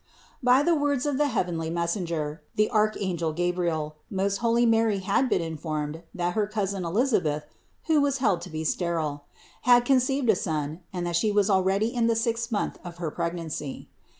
190. By the words of the heavenly messenger, the archangel Gabriel, most holy Mary had been informed, that her cousin Elisabeth (who was held to be sterile) had conceived a son and that She was already in the sixth month of her pregnancy.